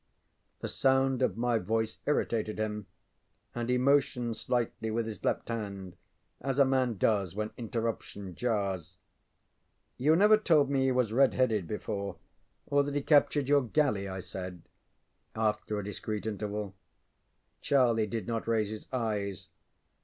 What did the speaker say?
ŌĆØ The sound of my voice irritated him, and he motioned slightly with his left hand as a man does when interruption jars. ŌĆ£You never told me he was redheaded before, or that he captured your galley, ŌĆØ I said, after a discreet interval. Charlie did not raise his eyes.